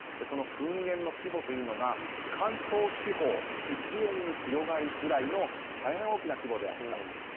その噴煙の規模というのが関東地方一円に広がるぐらいの大変大きな規模であった。